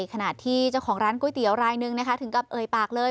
ขณะที่เจ้าของร้านก๋วยเตี๋ยวรายหนึ่งนะคะถึงกับเอ่ยปากเลย